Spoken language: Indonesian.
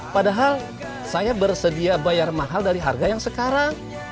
padahal saya bersedia bayar mahal dari harga yang sekarang